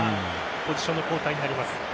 ポジションの交代になります。